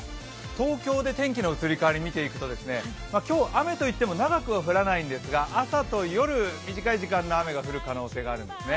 東京で天気の移り変わり見ていきますと、今日、雨といっても長くは降らないんですが朝と夜短い時間の雨が降りそうなんですね。